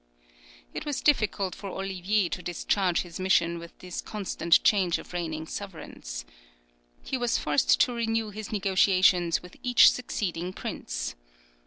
It was difficult for Olivier to discharge his mission with this constant change of reigning sovereigns. He was forced to renew his negotiations with each succeeding prince.